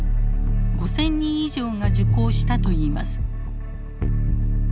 ５，０００人以上が受講したといいます。